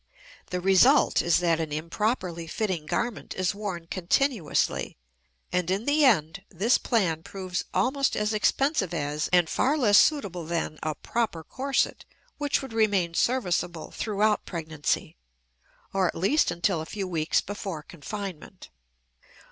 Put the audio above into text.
The result is that an improperly fitting garment is worn continuously; and, in the end, this plan proves almost as expensive as, and far less suitable than, a proper corset, which would remain serviceable throughout pregnancy, or at least until a few weeks before confinement.